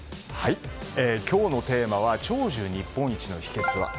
今日のテーマは長寿日本一の秘訣は。